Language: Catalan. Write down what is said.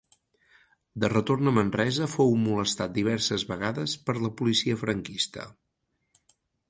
De retorn a Manresa fou molestat diverses vegades per la policia franquista.